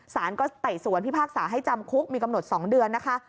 สารก็ไต่สวนพิพากษาให้จำคุกมีกำหนด๒เดือนนะคะ